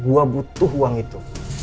gue butuh uang itu